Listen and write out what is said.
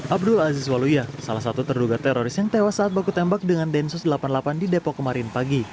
abdul aziz waluya salah satu terduga teroris yang tewas saat baku tembak dengan densus delapan puluh delapan di depok kemarin pagi